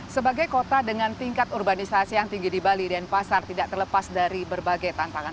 sebagai kota dengan tingkat urbanisasi yang tinggi di bali dan pasar tidak terlepas dari berbagai tantangan